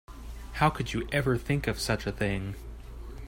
How could you ever think of such a thing?